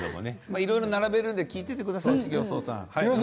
いろいろ並べるので聞いていてくださいね。